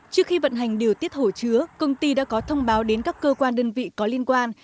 trước khi vận hành điều tiết hồ chứa công ty đã có thông báo đến các cơ quan đơn vị có liên quan